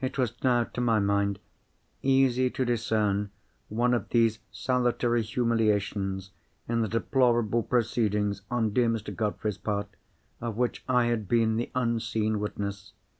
It was now—to my mind—easy to discern one of these salutary humiliations in the deplorable proceedings on dear Mr. Godfrey's part, of which I had been the unseen witness.